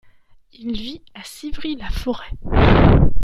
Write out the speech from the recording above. Il vit à Civry-la-Forêt.